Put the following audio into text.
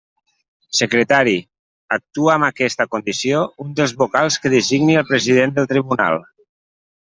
Secretari: actua amb aquesta condició un dels vocals que designi el president del tribunal.